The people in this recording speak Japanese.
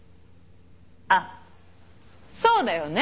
あっそうだよね。